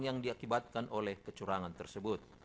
yang diakibatkan oleh kecurangan tersebut